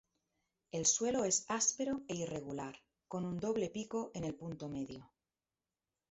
El suelo es áspero e irregular, con un doble pico en el punto medio.